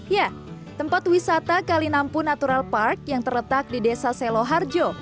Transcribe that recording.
ya tempat wisata kalinampu natural park yang terletak di desa seloharjo